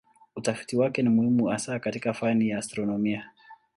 Utafiti wake ni muhimu hasa katika fani ya astronomia.